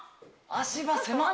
足場狭っ。